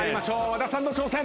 和田さんの挑戦。